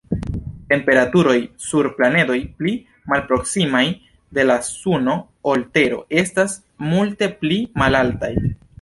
Temperaturoj sur planedoj pli malproksimaj de la Suno ol Tero estas multe pli malaltaj.